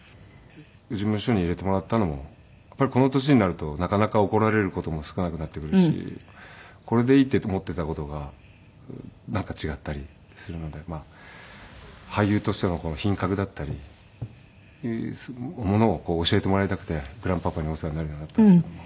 事務所に入れてもらったのもこの年になるとなかなか怒られる事も少なくなってくるしこれでいいって思っていた事がなんか違ったりするので俳優としての品格だったりするものを教えてもらいたくてグランパパにお世話になるようになったんですけども。